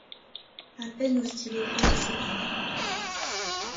À peine ose-t-il écrire à ses parents.